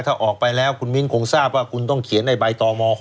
ถ้าออกไปแล้วคุณมิ้นคงทราบว่าคุณต้องเขียนในใบตม๖